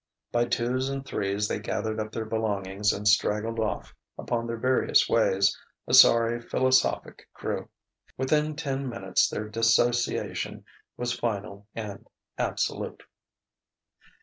By twos and threes they gathered up their belongings and straggled off upon their various ways, a sorry, philosophic crew. Within ten minutes their dissociation was final and absolute.